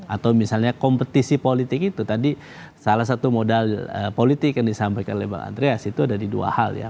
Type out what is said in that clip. atau misalnya kompetisi politik itu tadi salah satu modal politik yang disampaikan oleh bang andreas itu ada di dua hal ya